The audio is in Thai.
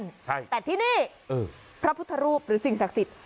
ใช่แต่ที่นี่พระพุทธรูปหรือสิ่งศักดิ์สิทธิ